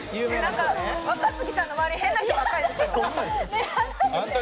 若槻さんの周り、変な人ばっかりですよ。